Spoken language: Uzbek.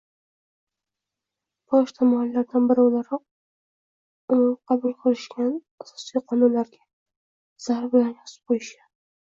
bosh tamoyillardan biri o‘laroq umumqabul qilishgan, asosiy qomuslariga zar bilan yozib qo‘yishgan.